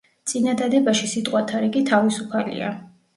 წინადადებაში სიტყვათა რიგი თავისუფალია.